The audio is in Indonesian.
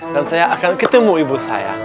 dan saya akan ketemu ibu saya